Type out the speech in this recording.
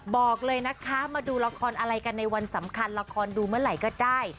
บอกเลยนะคะมาดูละครอะไรกันในวันสำคัญละครดูเมื่อไหร่ก็ได้